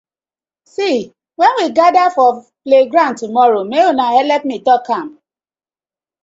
See wen we gather for playground tomorrow mek una helep me tok am.